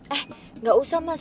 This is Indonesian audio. eh gak usah mas